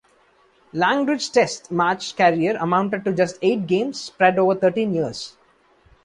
Langridge's Test match career amounted to just eight games, spread over thirteen years.